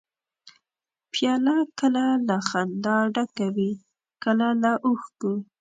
پیاله کله له خندا ډکه وي، کله له اوښکو.